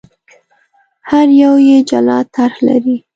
هر یو یې جلا طرح لري.